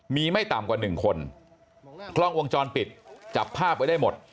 มีไม่ต่ำกว่าหนึ่งคนกล้องวงจรปิดจับภาพไว้ได้หมด